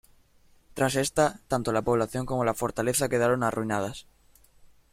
Tras esta, tanto la población como la fortaleza quedaron arruinados.